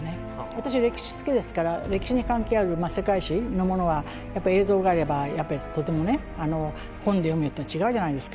私歴史好きですから歴史に関係ある世界史のものはやっぱ映像があればとてもね本で読むのと違うじゃないですか。